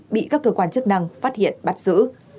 bị các cơ quan chức năng phát hiện bắt giữ